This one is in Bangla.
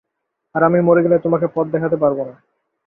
আর আমি মরে গেলে, তোমাকে পথ দেখাতে পারব না।